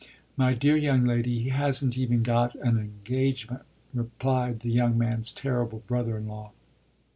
"My dear young lady, he hasn't even got an engagement," replied the young man's terrible brother in law.